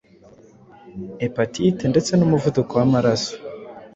hepatite ndetse n’umuvuduko w’amaraso,